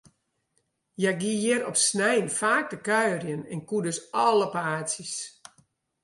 Hja gie hjir op snein faak te kuierjen, en koe dus alle paadsjes.